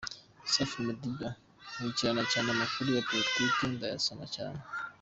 Safi Madiba: Nkurikirana cyane amakuru ya politike, ndayasoma cyane.